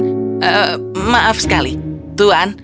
tuan maaf sekali tuan